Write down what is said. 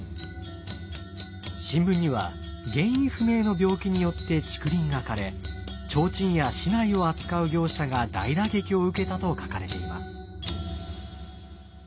新聞には原因不明の病気によって竹林が枯れ提灯や竹刀を扱う業者が大打撃を受けたと書かれています。